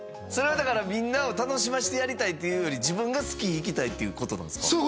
それはだからみんなを楽しませてやりたいというより自分がスキー行きたいっていうことなんすか？